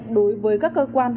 đối với các cơ quan hành trí